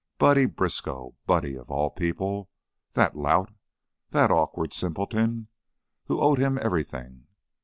Buddy Briskow! Buddy, of all people! That lout; that awkward simpleton, who owed him everything!